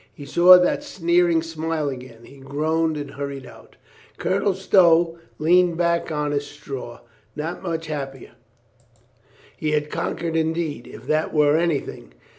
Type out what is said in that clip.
He saw that sneering smile again. He groaned and hurried out. Colonel Stow leaned back on his straw, not much the happier. He had conquered indeed, if that were anything.